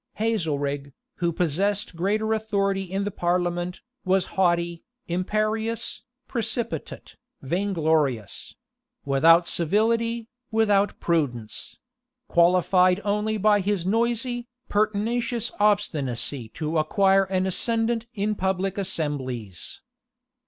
Hazelrig, who possessed greater authority in the parliament, was haughty, imperious, precipitate, vainglorious; without civility, without prudence; qualified only by his noisy, pertinacious obstinacy to acquire an ascendant in public assemblies.